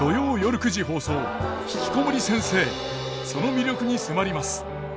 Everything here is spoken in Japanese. その魅力に迫ります。